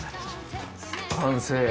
完成。